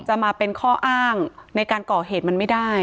จะมาเป็นข้ออ้างในการก่อเหตุมันไม่ได้